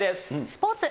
スポーツ。